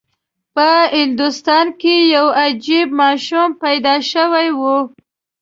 په هندوستان کې یو عجیب ماشوم پیدا شوی و.